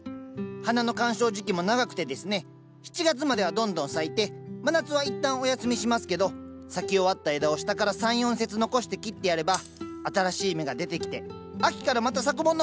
花の観賞時期も長くてですね７月まではどんどん咲いて真夏は一旦お休みしますけど咲き終わった枝を下から３４節残して切ってやれば新しい芽が出てきて秋からまた咲くものも多いんです。